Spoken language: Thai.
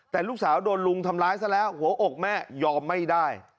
แต่ลูกสาวโดนลุงทำร้ายซะแล้วหัวอกแม่ยอมไม่ได้